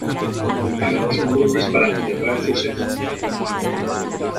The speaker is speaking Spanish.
Haremos un brindis para celebrar sus éxitos.